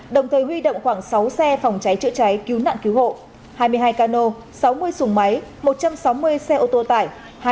đồng thời huy động khoảng sáu xe phòng cháy chữa cháy cứu nạn cứu hộ hai mươi hai cano sáu mươi sùng máy một trăm sáu mươi xe ô tô tải